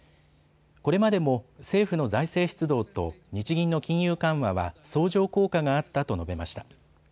これまでも政府の財政出動と日銀の金融緩和は相乗効果があったと述べました。